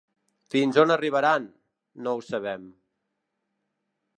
Fins on arribaran, no ho sabem.